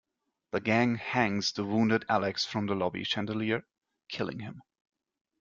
The gang hangs the wounded Alex from the lobby chandelier, killing him.